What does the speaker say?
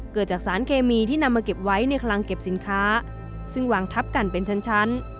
เกิดจากสารเคมีที่นำมาเก็บไว้ในคลังเก็บสินค้าซึ่งวางทับกันเป็นชั้น